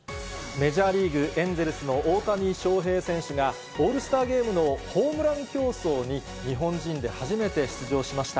メジャーリーグ・エンゼルスの大谷翔平選手が、オールスターゲームのホームラン競争に、日本人で初めて出場しました。